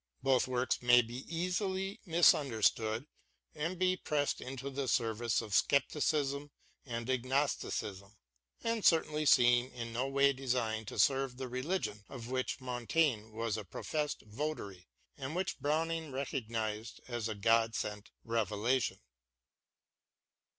Both works may be easily misunderstood and be pressed into the service of scepticism and agnosti cism, and certainly seem in no way designed to serve the religion of which Montaigne was a professed votary and which Browning recognised as a God sent revelation.